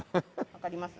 わかります？